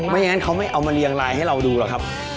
ไม่อย่างนั้นเขาไม่เอามาเรียงไลน์ให้เราดูหรอกครับ